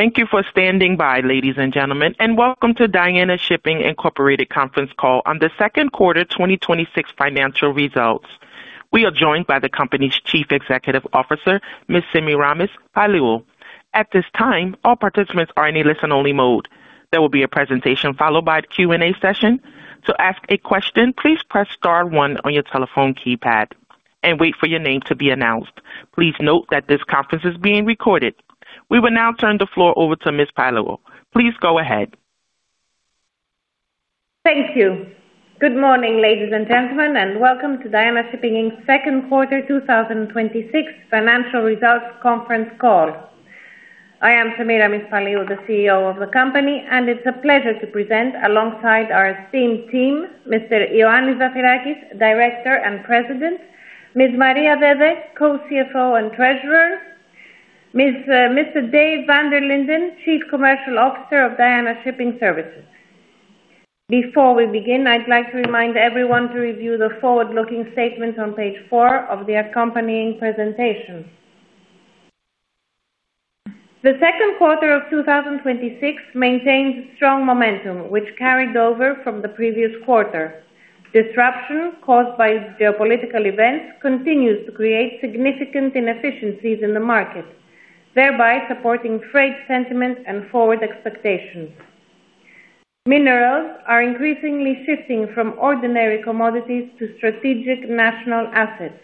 Thank you for standing by, ladies and gentlemen, and welcome to Diana Shipping Inc. Conference Call on the Second Quarter 2026 financial results. We are joined by the company's Chief Executive Officer, Ms. Semiramis Paliou. At this time, all participants are in a listen-only mode. There will be a presentation followed by a Q&A session. To ask a question, please press star one on your telephone keypad and wait for your name to be announced. Please note that this conference is being recorded. We will now turn the floor over to Ms. Paliou. Please go ahead. Thank you. Good morning, ladies and gentlemen, and welcome to Diana Shipping Inc.'s second quarter 2026 financial results conference call. I am Semiramis Paliou, the CEO of the company, and it's a pleasure to present alongside our esteemed team, Mr. Ioannis Zafirakis, Director and President, Ms. Maria Dede, Co-CFO and Treasurer, Mr. Dave Van der Linden, Chief Commercial Officer of Diana Shipping Services. Before we begin, I'd like to remind everyone to review the forward-looking statement on page four of the accompanying presentation. The second quarter of 2026 maintains strong momentum, which carried over from the previous quarter. Disruptions caused by geopolitical events continue to create significant inefficiencies in the market, thereby supporting freight sentiment and forward expectations. Minerals are increasingly shifting from ordinary commodities to strategic national assets.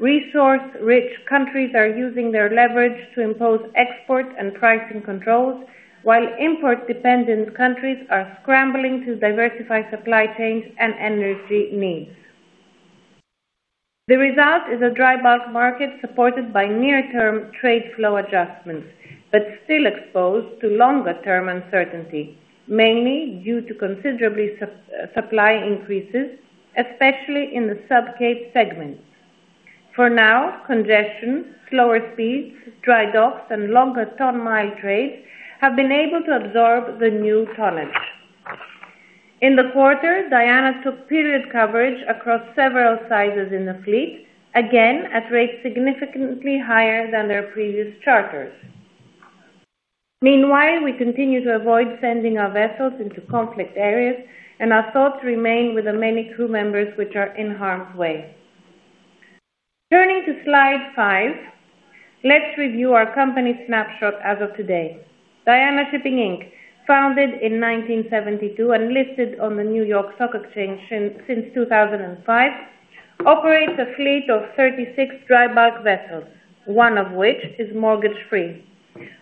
Resource-rich countries are using their leverage to impose export and pricing controls, while import-dependent countries are scrambling to diversify supply chains and energy needs. The result is a dry bulk market supported by near-term trade flow adjustments, but still exposed to longer-term uncertainty, mainly due to considerable supply increases, especially in the Sub-Cape segment. For now, congestion, slower speeds, dry docks, and longer ton-mile trades have been able to absorb the new tonnage. In the quarter, Diana took period coverage across several sizes in the fleet, again, at rates significantly higher than their previous charters. Meanwhile, we continue to avoid sending our vessels into conflict areas, and our thoughts remain with the many crew members which are in harm's way. Turning to slide five, let's review our company snapshot as of today. Diana Shipping Inc., founded in 1972 and listed on the New York Stock Exchange since 2005, operates a fleet of 36 dry bulk vessels, one of which is mortgage-free.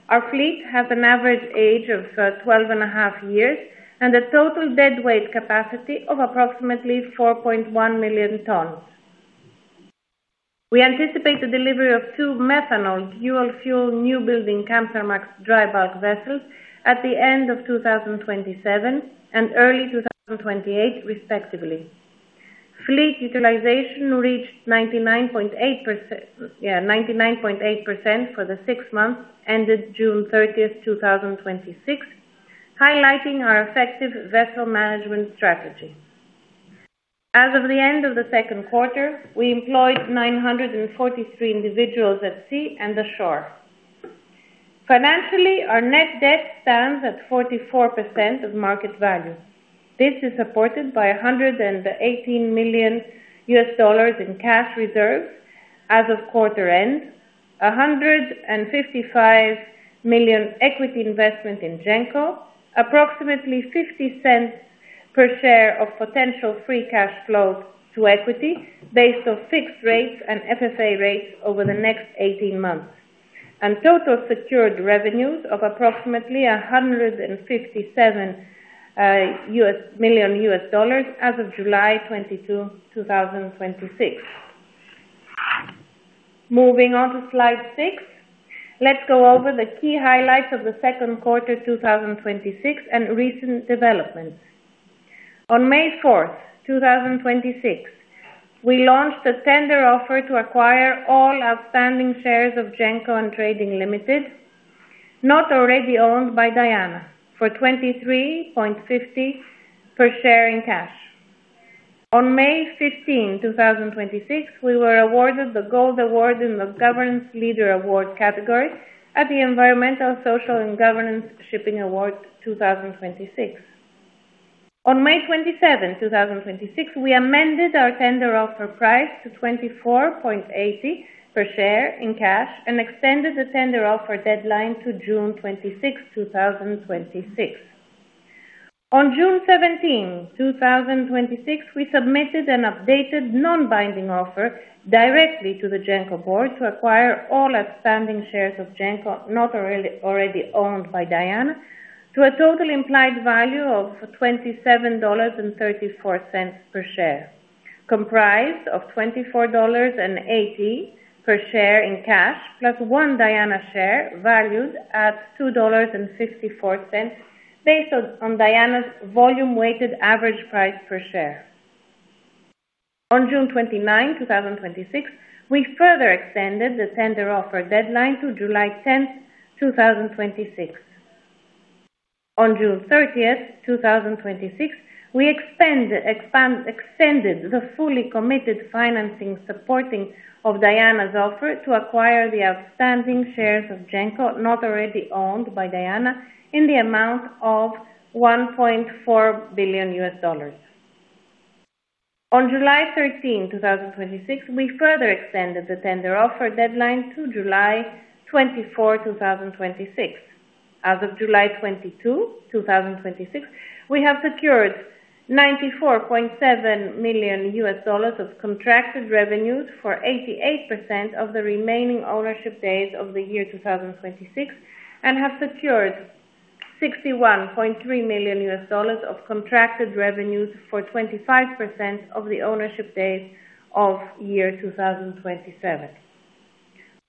Our fleet has an average age of 12 and a half years and a total deadweight capacity of approximately 4.1 million tons. We anticipate the delivery of two methanol dual fuel new building Kamsarmax dry bulk vessels at the end of 2027 and early 2028, respectively. Fleet utilization reached 99.8% for the six months ended June 30th, 2026, highlighting our effective vessel management strategy. As of the end of the second quarter, we employed 943 individuals at sea and the shore. Financially, our net debt stands at 44% of market value. This is supported by $118 million in cash reserves as of quarter end, $155 million equity investment in Genco, approximately $0.50 per share of potential free cash flow to equity based on fixed rates and FFA rates over the next 18 months, and total secured revenues of approximately $157 million as of July 22, 2026. Moving on to slide six. Let's go over the key highlights of the second quarter 2026 and recent developments. On May 4th, 2026, we launched a tender offer to acquire all outstanding shares of Genco Shipping & Trading Limited, not already owned by Diana for $23.50 per share in cash. On May 15, 2026, we were awarded the Gold Award in the Governance Leader Award category at the Environmental, Social, and Governance Shipping Awards 2026. On May 27, 2026, we amended our tender offer price to $24.80 per share in cash and extended the tender offer deadline to June 26th, 2026. On June 17, 2026, we submitted an updated non-binding offer directly to the Genco board to acquire all outstanding shares of Genco not already owned by Diana to a total implied value of $27.34 per share, comprised of $24.80 per share in cash, plus one Diana share valued at $2.54, based on Diana's volume-weighted average price per share. On June 29, 2026, we further extended the tender offer deadline to July 10th, 2026. On June 30th, 2026, we extended the fully committed financing supporting of Diana's offer to acquire the outstanding shares of Genco, not already owned by Diana, in the amount of $1.4 billion. On July 13, 2026, we further extended the tender offer deadline to July 24, 2026. As of July 22, 2026, we have secured $94.7 million of contracted revenues for 88% of the remaining ownership days of the year 2026, and have secured $61.3 million of contracted revenues for 25% of the ownership days of year 2027.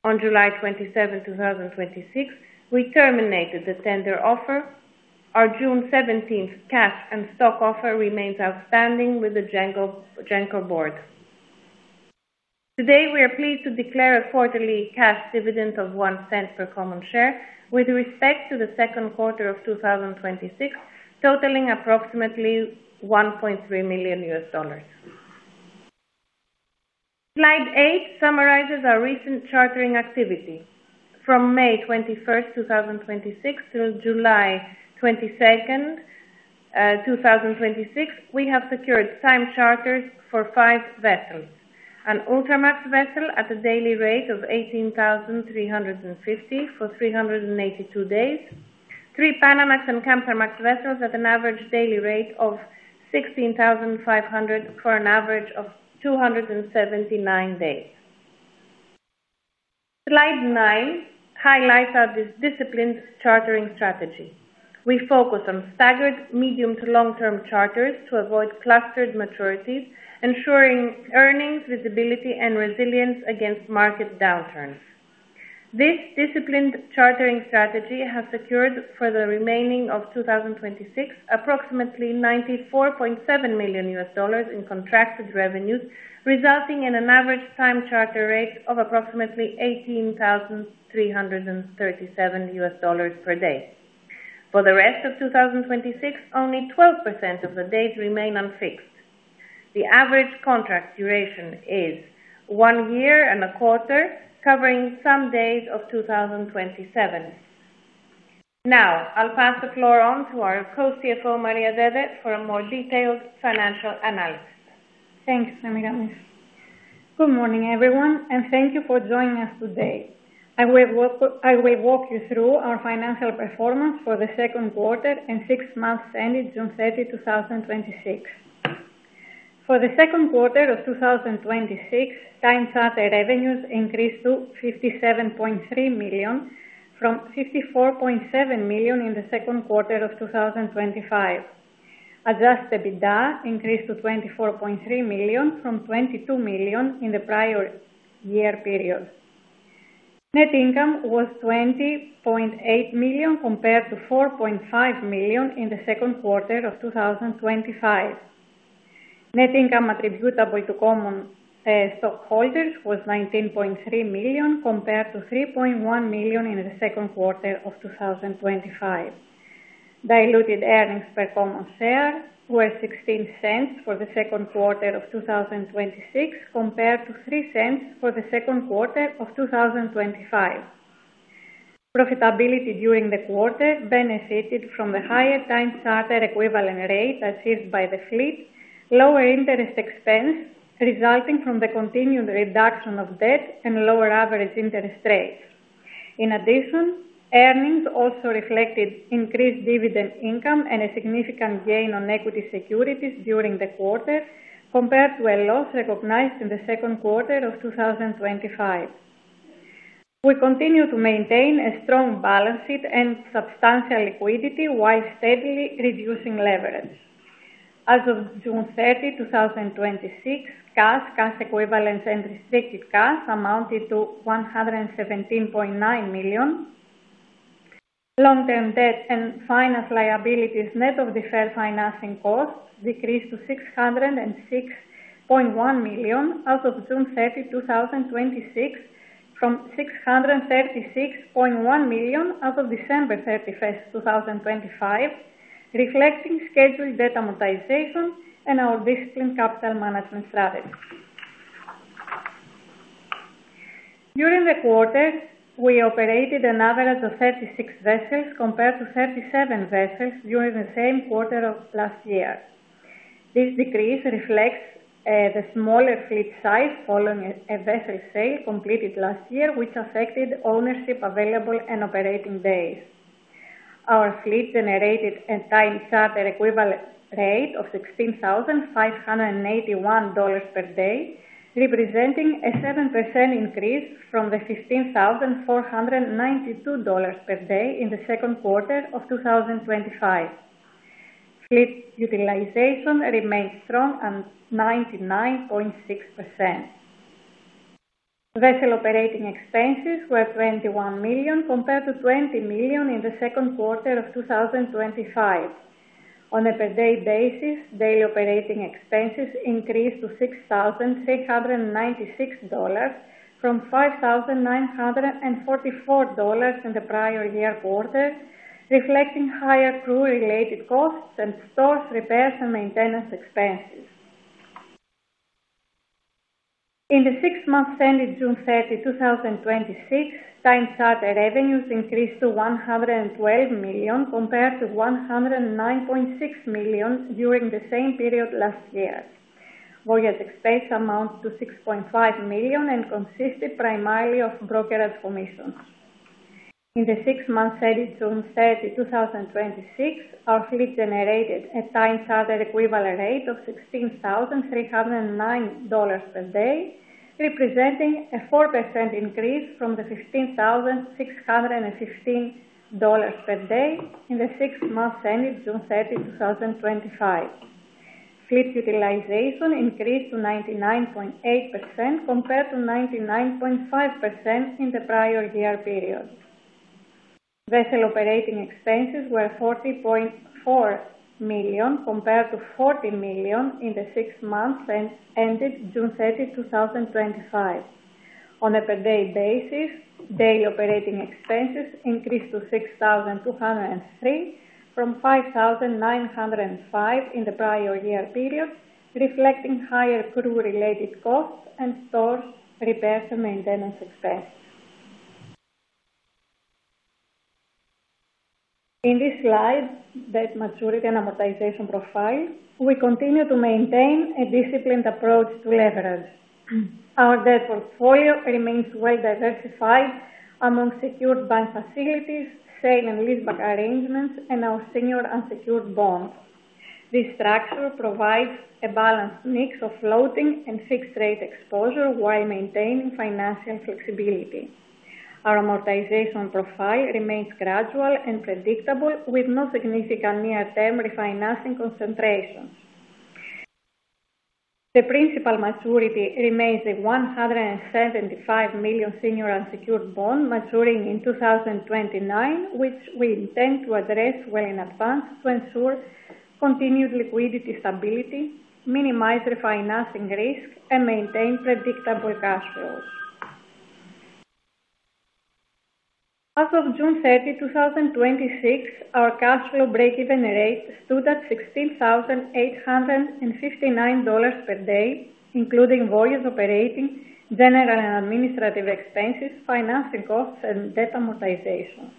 On July 27, 2026, we terminated the tender offer. Our June 17th cash and stock offer remains outstanding with the Genco board. Today, we are pleased to declare a quarterly cash dividend of $0.01 for common share with respect to the second quarter of 2026, totaling approximately $1.3 million. Slide eight summarizes our recent chartering activity. From May 21st, 2026 through July 22nd, 2026, we have secured time charters for five vessels. An Ultramax vessel at a daily rate of $18,350 for 382 days, three Panamax and Capesize vessels at an average daily rate of $16,500 for an average of 279 days. Slide nine highlights our disciplined chartering strategy. We focus on staggered medium to long-term charters to avoid clustered maturities, ensuring earnings, visibility, and resilience against market downturns. This disciplined chartering strategy has secured for the remaining of 2026 approximately $94.7 million in contracted revenues, resulting in an average time charter rate of approximately $18,337 per day. For the rest of 2026, only 12% of the days remain unfixed. The average contract duration is one year and a quarter, covering some days of 2027. Now, I'll pass the floor on to our Co-CFO, Maria Dede, for a more detailed financial analysis. Thanks, Semiramis. Good morning, everyone. Thank you for joining us today. I will walk you through our financial performance for the second quarter and six months ended June 30, 2026. For the second quarter of 2026, time charter revenues increased to $57.3 million from $54.7 million in the second quarter of 2025. Adjusted EBITDA increased to $24.3 million from $22 million in the prior year period. Net income was $20.8 million compared to $4.5 million in the second quarter of 2025. Net income attributable to common stockholders was $19.3 million compared to $3.1 million in the second quarter of 2025. Diluted earnings per common share were $0.16 for the second quarter of 2026 compared to $0.03 for the second quarter of 2025. Profitability during the quarter benefited from the higher time charter equivalent rate achieved by the fleet, lower interest expense resulting from the continued reduction of debt and lower average interest rates. In addition, earnings also reflected increased dividend income and a significant gain on equity securities during the quarter compared to a loss recognized in the second quarter of 2025. We continue to maintain a strong balance sheet and substantial liquidity while steadily reducing leverage. As of June 30, 2026, cash equivalents, and restricted cash amounted to $117.9 million. Long-term debt and finance liabilities net of deferred financing costs decreased to $606.1 million as of June 30, 2026 from $636.1 million as of December 31, 2025, reflecting scheduled debt amortization and our disciplined capital management strategy. During the quarter, we operated an average of 36 vessels compared to 37 vessels during the same quarter of last year. This decrease reflects the smaller fleet size following a vessel sale completed last year which affected ownership available and operating days. Our fleet generated a time charter equivalent rate of $16,581 per day, representing a 7% increase from the $15,492 per day in the second quarter of 2025. Fleet utilization remained strong at 99.6%. Vessel operating expenses were $21 million compared to $20 million in the second quarter of 2025. On a per day basis, daily operating expenses increased to $6,396 from $5,944 in the prior year quarter, reflecting higher crew-related costs and stores repairs and maintenance expenses. In the six months ended June 30, 2026, time charter revenues increased to $112 million compared to $109.6 million during the same period last year. Voyage expense amounts to $6.5 million and consisted primarily of brokerage commissions. In the six months ended June 30, 2026, our fleet generated a time charter equivalent rate of $16,309 per day, representing a 4% increase from the $15,616 per day in the six months ended June 30, 2025. Fleet utilization increased to 99.8% compared to 99.5% in the prior year period. Vessel operating expenses were $40.4 million compared to $40 million in the six months ended June 30, 2025. On a per day basis, daily operating expenses increased to $6,203 from $5,905 in the prior year period, reflecting higher crew-related costs and stores repairs and maintenance expenses. In this slide, debt maturity and amortization profile, we continue to maintain a disciplined approach to leverage. Our debt portfolio remains well diversified among secured bank facilities, sale and lease back arrangements, and our senior unsecured bonds. This structure provides a balanced mix of floating and fixed rate exposure while maintaining financial flexibility. Our amortization profile remains gradual and predictable, with no significant near-term refinancing concentrations. The principal maturity remains at $175 million senior unsecured bond maturing in 2029, which we intend to address well in advance to ensure continued liquidity stability, minimize refinancing risk, and maintain predictable cash flows. As of June 30, 2026, our cash flow break-even rate stood at $16,859 per day, including volumes operating, general and administrative expenses, financing costs, and debt amortization.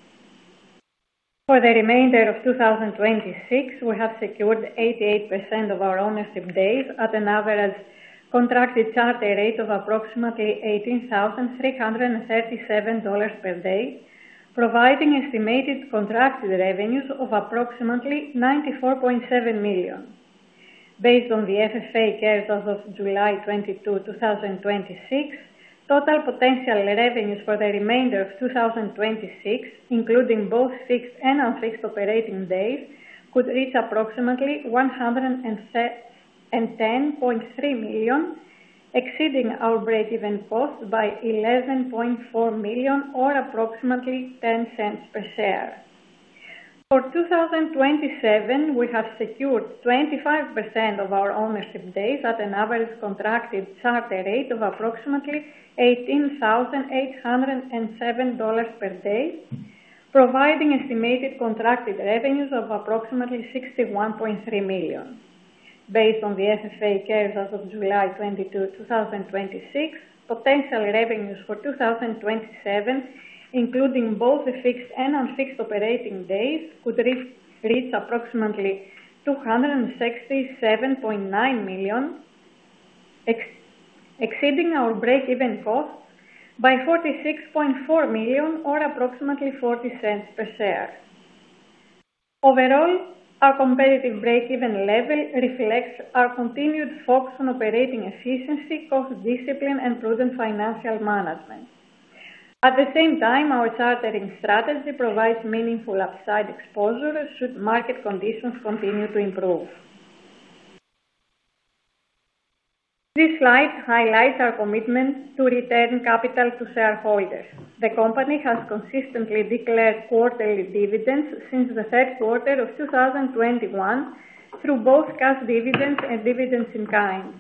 For the remainder of 2026, we have secured 88% of our ownership days at an average contracted charter rate of approximately $18,337 per day, providing estimated contracted revenues of approximately $94.7 million. Based on the FFA curves as of July 22, 2026, total potential revenues for the remainder of 2026, including both fixed and unfixed operating days, could reach approximately $110.3 million, exceeding our break-even cost by $11.4 million or approximately $0.10 per share. For 2027, we have secured 25% of our ownership days at an average contracted charter rate of approximately $18,807 per day, providing estimated contracted revenues of approximately $61.3 million. Based on the FFA curves as of July 22, 2026, potential revenues for 2027, including both the fixed and unfixed operating days, could reach approximately $267.9 million, exceeding our break-even cost by $46.4 million or approximately $0.40 per share. Overall, our competitive break-even level reflects our continued focus on operating efficiency, cost discipline, and prudent financial management. At the same time, our chartering strategy provides meaningful upside exposure should market conditions continue to improve. This slide highlights our commitment to return capital to shareholders. The company has consistently declared quarterly dividends since the third quarter of 2021 through both cash dividends and dividends in kind.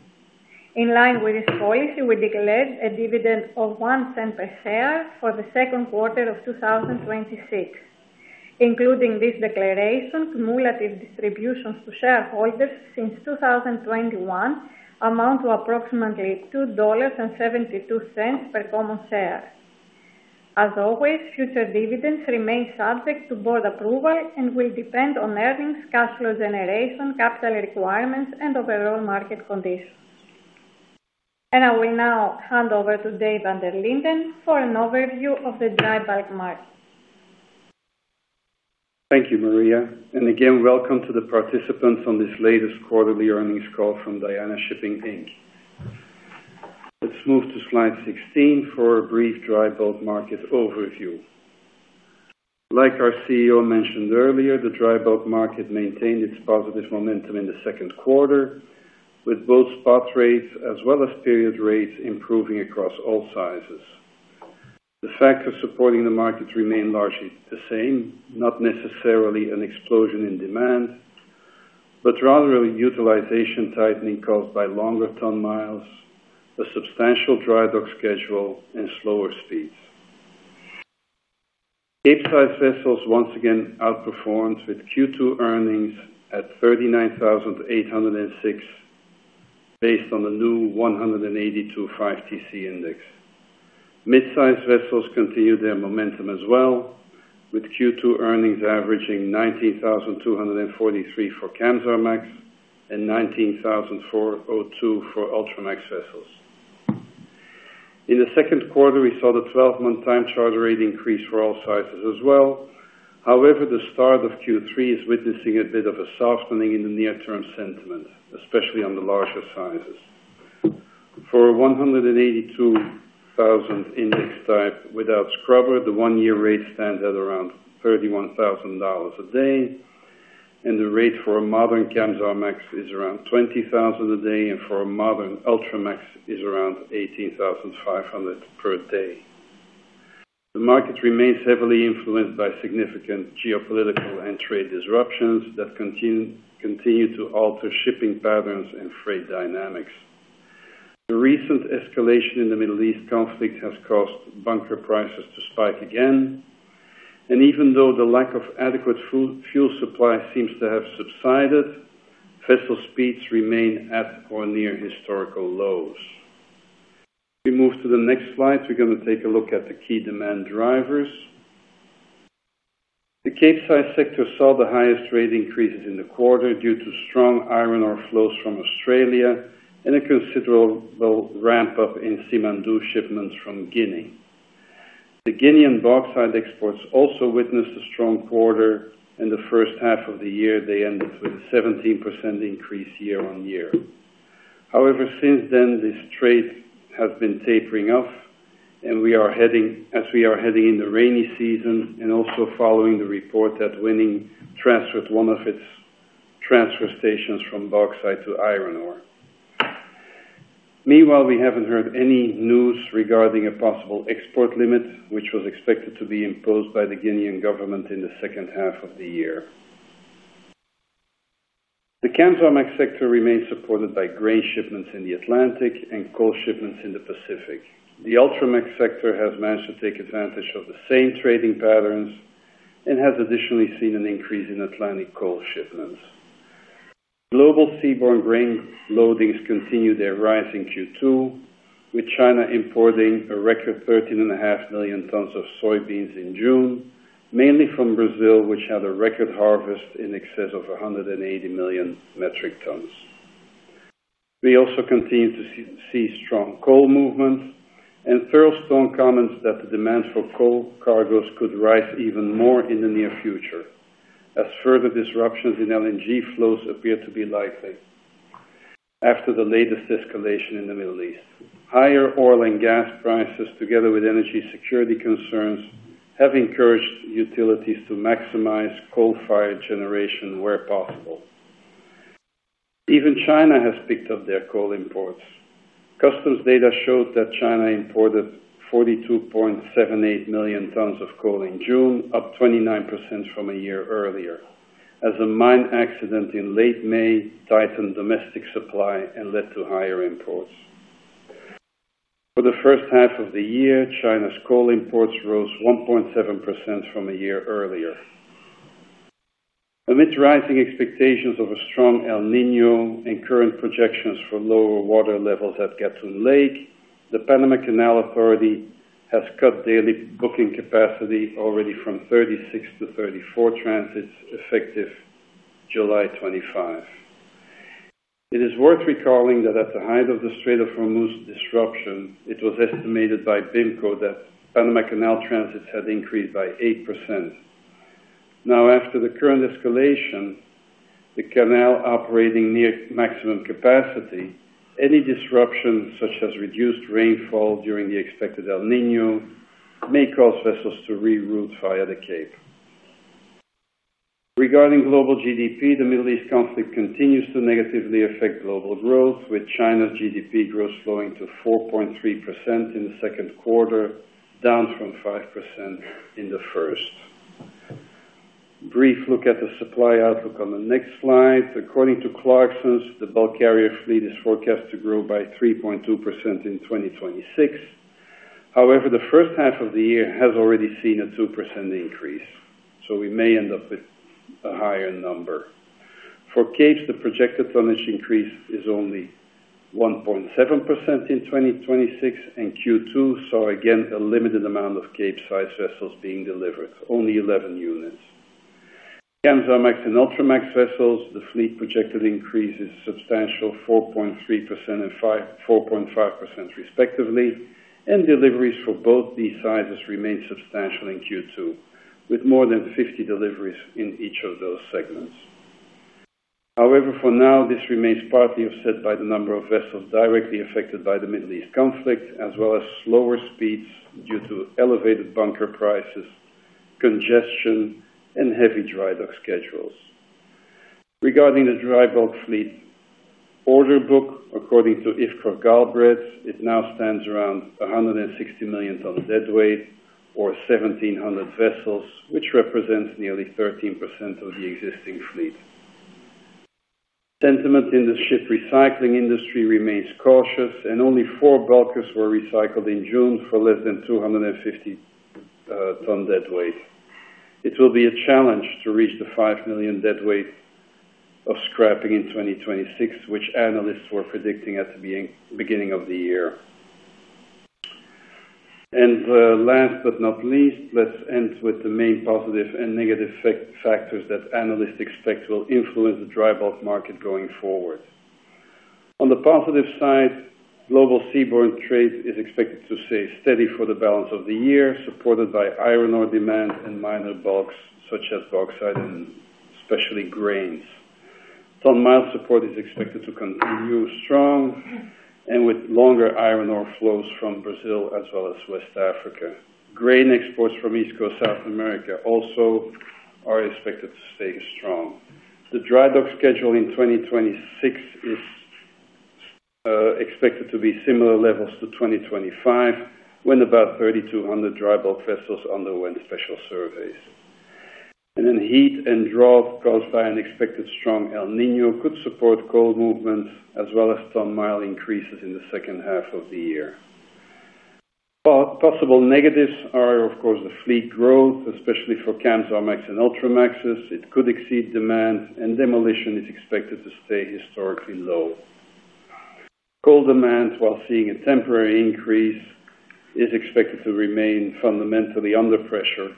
In line with this policy, we declared a dividend of $0.01 per share for the second quarter of 2026. Including this declaration, cumulative distributions to shareholders since 2021 amount to approximately $2.72 per common share. As always, future dividends remain subject to board approval and will depend on earnings, cash flow generation, capital requirements, and overall market conditions. I will now hand over to Dave Van der Linden for an overview of the dry bulk market. Thank you, Maria. Again, welcome to the participants on this latest quarterly earnings call from Diana Shipping Inc. Let's move to slide 16 for a brief dry bulk market overview. Like our CEO mentioned earlier, the dry bulk market maintained its positive momentum in the second quarter, with both spot rates as well as period rates improving across all sizes. The fact of supporting the markets remain largely the same, not necessarily an explosion in demand, but rather a utilization tightening caused by longer ton-miles, a substantial dry dock schedule, and slower speeds. Capesize vessels once again outperformed with Q2 earnings at $39,806, based on the new 182.5 TC index. Mid-size vessels continued their momentum as well, with Q2 earnings averaging $19,243 for Kamsarmax and $19,402 for Ultramax vessels. In the second quarter, we saw the 12-month time charter rate increase for all sizes as well. The start of Q3 is witnessing a bit of a softening in the near-term sentiment, especially on the larger sizes. For a 182,000 index type without scrubber, the one-year rate stands at around $31,000 a day. The rate for a modern Kamsarmax is around $20,000 a day, and for a modern Ultramax is around $18,500 per day. The market remains heavily influenced by significant geopolitical and trade disruptions that continue to alter shipping patterns and freight dynamics. The recent escalation in the Middle East conflict has caused bunker prices to spike again, and even though the lack of adequate fuel supply seems to have subsided, vessel speeds remain at or near historical lows. We move to the next slide. We're going to take a look at the key demand drivers. The Capesize sector saw the highest rate increases in the quarter due to strong iron ore flows from Australia and a considerable ramp-up in Simandou shipments from Guinea. The Guinean bauxite exports also witnessed a strong quarter. In the first half of the year, they ended with a 17% increase year-on-year. Since then, this trade has been tapering off as we are heading in the rainy season and also following the report that Winning transferred one of its transfer stations from bauxite to iron ore. We haven't heard any news regarding a possible export limit, which was expected to be imposed by the Guinean government in the second half of the year. The Kamsarmax sector remains supported by grain shipments in the Atlantic and coal shipments in the Pacific. The Ultramax sector has managed to take advantage of the same trading patterns and has additionally seen an increase in Atlantic coal shipments. Global seaborne grain loadings continued their rise in Q2, with China importing a record 13.5 million tons of soybeans in June, mainly from Brazil, which had a record harvest in excess of 180 million metric tons. We also continue to see strong coal movements, and Thurlestone comments that the demand for coal cargoes could rise even more in the near future as further disruptions in LNG flows appear to be likely after the latest escalation in the Middle East. Higher oil and gas prices, together with energy security concerns, have encouraged utilities to maximize coal-fired generation where possible. Even China has picked up their coal imports. Customs data showed that China imported 42.78 million tons of coal in June, up 29% from a year-earlier, as a mine accident in late May tightened domestic supply and led to higher imports. For the first half of the year, China's coal imports rose 1.7% from a year-earlier. Amidst rising expectations of a strong El Niño and current projections for lower water levels at Gatun Lake, the Panama Canal Authority has cut daily booking capacity already from 36 to 34 transits effective July 25. It is worth recalling that at the height of the Strait of Hormuz disruption, it was estimated by BIMCO that Panama Canal transits had increased by 8%. After the current escalation, the canal operating near maximum capacity, any disruption, such as reduced rainfall during the expected El Niño, may cause vessels to reroute via the Cape. Regarding global GDP, the Middle East conflict continues to negatively affect global growth, with China's GDP growth slowing to 4.3% in the second quarter, down from 5% in the first. Brief look at the supply outlook on the next slide. According to Clarksons, the bulk carrier fleet is forecast to grow by 3.2% in 2026. However, the first half of the year has already seen a 2% increase, so we may end up with a higher number. For Capes, the projected tonnage increase is only 1.7% in 2026, and Q2 saw again a limited amount of Capesize vessels being delivered, only 11 units. Kamsarmax and Ultramax vessels, the fleet projected increase is substantial, 4.3% and 4.5% respectively, and deliveries for both these sizes remained substantial in Q2, with more than 50 deliveries in each of those segments. For now, this remains partly offset by the number of vessels directly affected by the Middle East conflict, as well as slower speeds due to elevated bunker prices, congestion, and heavy dry dock schedules. Regarding the dry bulk fleet order book, according to IFCHOR GALBRAITHS, it now stands around 160-million-ton deadweight or 1,700 vessels, which represents nearly 13% of the existing fleet. Sentiment in the ship recycling industry remains cautious, and only four bulkers were recycled in June for less than 250-ton deadweight. It will be a challenge to reach the 5 million deadweight of scrapping in 2026, which analysts were predicting at the beginning of the year. Last but not least, let's end with the main positive and negative factors that analysts expect will influence the dry bulk market going forward. On the positive side, global seaborne trade is expected to stay steady for the balance of the year, supported by iron ore demand and minor bulks such as bauxite and especially grains. Ton-mile support is expected to continue strong with longer iron ore flows from Brazil as well as West Africa. Grain exports from East Coast South America also are expected to stay strong. The dry dock schedule in 2026 is expected to be similar levels to 2025, when about 3,200 dry bulk vessels underwent special surveys. Heat and drought caused by an expected strong El Niño could support coal movements as well as some mild increases in the second half of the year. Possible negatives are, of course, the fleet growth, especially for Kamsarmax and Ultramaxes. It could exceed demand, and demolition is expected to stay historically low. Coal demand, while seeing a temporary increase, is expected to remain fundamentally under pressure,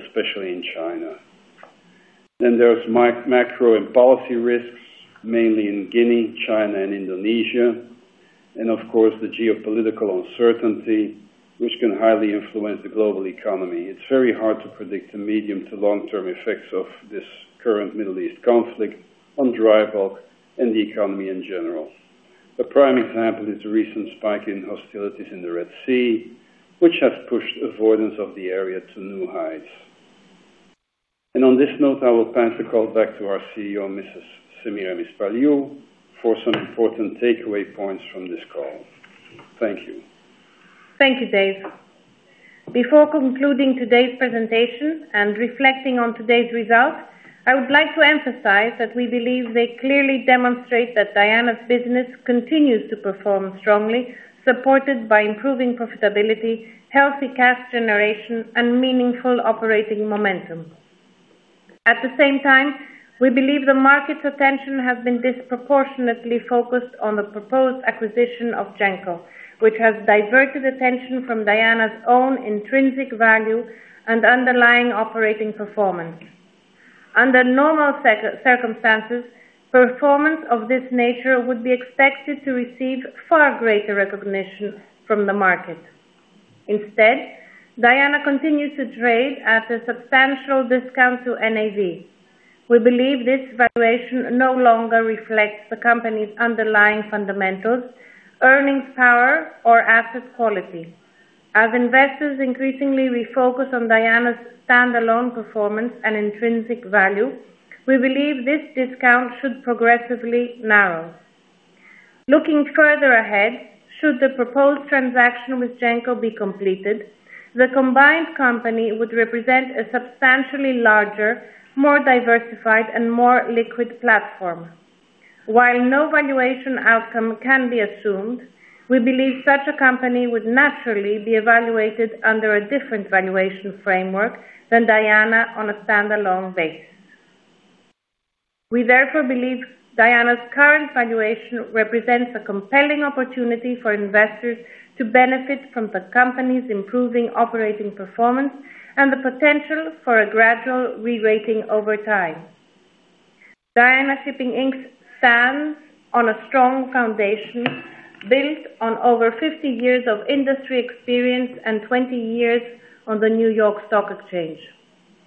especially in China. There's macro and policy risks, mainly in Guinea, China, and Indonesia, and of course, the geopolitical uncertainty, which can highly influence the global economy. It's very hard to predict the medium to long-term effects of this current Middle East conflict on dry bulk and the economy in general. A prime example is the recent spike in hostilities in the Red Sea, which has pushed avoidance of the area to new heights. On this note, I will pass the call back to our CEO, Mrs. Semiramis Paliou, for some important takeaway points from this call. Thank you. Thank you, Dave. Before concluding today's presentation and reflecting on today's results, I would like to emphasize that we believe they clearly demonstrate that Diana's business continues to perform strongly, supported by improving profitability, healthy cash generation, and meaningful operating momentum. At the same time, we believe the market's attention has been disproportionately focused on the proposed acquisition of Genco, which has diverted attention from Diana's own intrinsic value and underlying operating performance. Under normal circumstances, performance of this nature would be expected to receive far greater recognition from the market. Instead, Diana continues to trade at a substantial discount to NAV. We believe this valuation no longer reflects the company's underlying fundamentals, earnings power, or asset quality. As investors increasingly refocus on Diana's standalone performance and intrinsic value, we believe this discount should progressively narrow. Looking further ahead, should the proposed transaction with Genco be completed, the combined company would represent a substantially larger, more diversified, and more liquid platform. While no valuation outcome can be assumed, we believe such a company would naturally be evaluated under a different valuation framework than Diana on a standalone basis. We therefore believe Diana's current valuation represents a compelling opportunity for investors to benefit from the company's improving operating performance and the potential for a gradual re-rating over time. Diana Shipping Inc. stands on a strong foundation built on over 50 years of industry experience and 20 years on the New York Stock Exchange.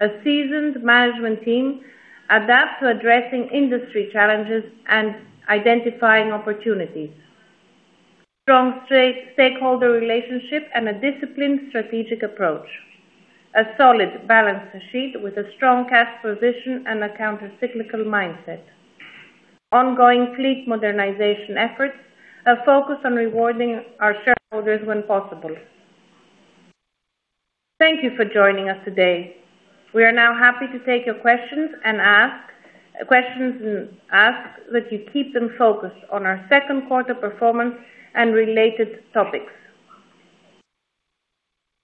A seasoned management team adapts to addressing industry challenges and identifying opportunities. Strong stakeholder relationship and a disciplined strategic approach. A solid balance sheet with a strong cash position and a counter-cyclical mindset. Ongoing fleet modernization efforts are focused on rewarding our shareholders when possible. Thank you for joining us today. We are now happy to take your questions and ask that you keep them focused on our second quarter performance and related topics.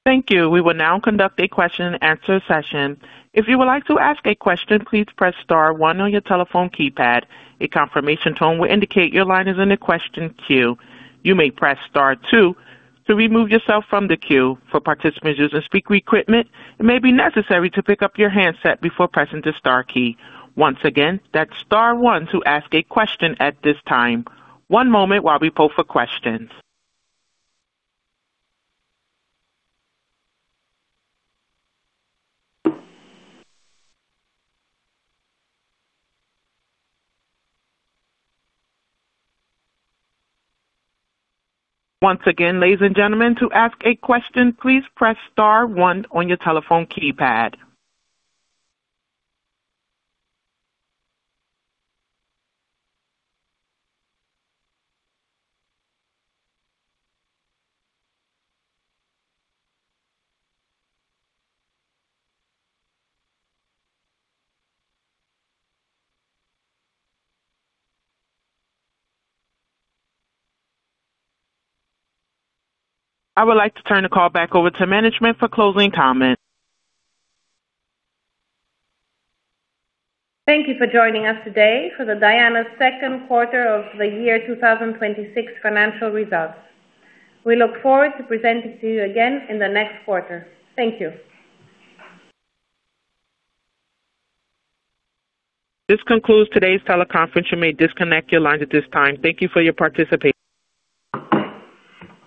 Thank you. We will now conduct a question and answer session. If you would like to ask a question, please press star one on your telephone keypad. A confirmation tone will indicate your line is in the question queue. You may press star two to remove yourself from the queue. For participants using speaker equipment, it may be necessary to pick up your handset before pressing the star key. Once again, that's star one to ask a question at this time. One moment while we poll for questions. Once again, ladies and gentlemen, to ask a question, please press star one on your telephone keypad. I would like to turn the call back over to management for closing comments. Thank you for joining us today for the Diana Second Quarter of the Year 2026 Financial Results. We look forward to presenting to you again in the next quarter. Thank you. This concludes today's teleconference. You may disconnect your lines at this time. Thank you for your participation.